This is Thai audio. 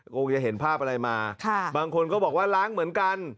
คงจะเห็นภาพอะไรมาบางคนก็บอกว่าล้างเหมือนกัน